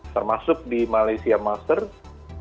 termasuk di malaysia masters